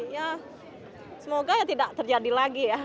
ya semoga ya tidak terjadi lagi ya